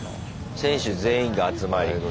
選手全員が集まり。